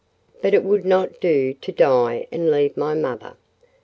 But it would not do to die and leave my mother.